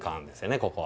ここは。